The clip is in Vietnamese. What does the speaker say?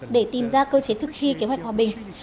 để tìm ra cơ chế thực thi kế hoạch hòa bình